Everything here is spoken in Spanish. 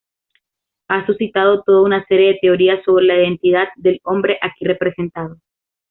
Ha suscitado toda una serie de teorías sobre la identidad del hombre aquí representado.